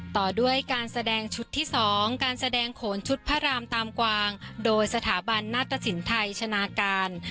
ต่อด้วยการแสดงชุดที่๒การแสดงโขนชุดพระรามตามกวางโดยสถาบันนาตสินไทยชนะการ